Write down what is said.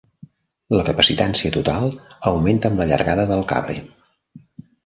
La capacitància total augmenta amb la llargada del cable.